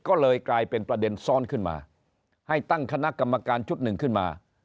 ก็เลยกลายเป็นประเด็นซ้อนขึ้นมาให้ตั้งคณะกรรมการชุดหนึ่งขึ้นมา